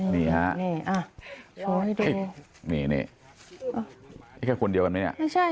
นี่นี่นี่นี่นี่